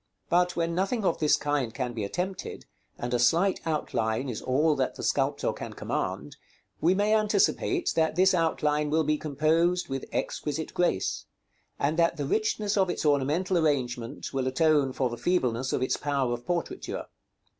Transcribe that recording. But when nothing of this kind can be attempted, and a slight outline is all that the sculptor can command, we may anticipate that this outline will be composed with exquisite grace; and that the richness of its ornamental arrangement will atone for the feebleness of its power of portraiture.